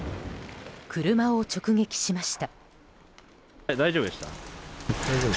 車を直撃しました。